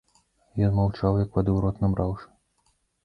Ён маўчаў як вады ў рот набраўшы.